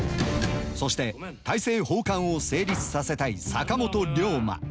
そして大政奉還を成立させたい坂本龍馬。